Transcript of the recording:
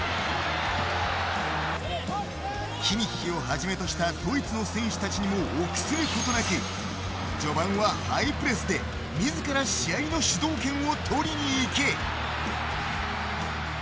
キミッヒをはじめとしたドイツの選手たちにも臆することなく序盤はハイプレスで自ら試合の主導権を取りに行け。